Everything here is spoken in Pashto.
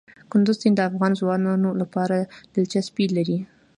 کندز سیند د افغان ځوانانو لپاره دلچسپي لري.